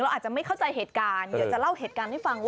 ก็จะไม่เข้าใจเหตุการณ์